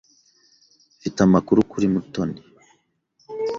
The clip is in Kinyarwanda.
Mfite amakuru kuri Mutoni.